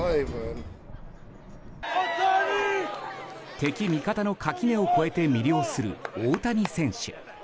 敵味方の垣根を越えて魅了する大谷選手。